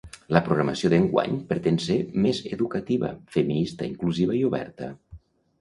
La programació d'enguany pretén ser “més educativa, feminista, inclusiva i oberta”.